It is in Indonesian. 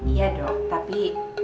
iya dok tapi